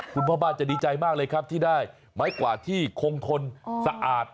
คุณพ่อบ้านจะดีใจมากเลยครับที่ได้ไม้กวาดที่คงทนสะอาด